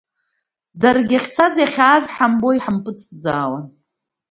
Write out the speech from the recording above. Даргьы иахьцазиахьааз ҳамбо иааҳампыҵӡаауан.